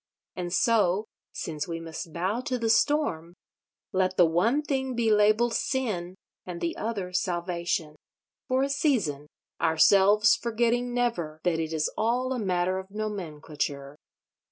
And so—since we must bow to the storm—let the one thing be labelled Sin, and the other Salvation—for a season: ourselves forgetting never that it is all a matter of nomenclature.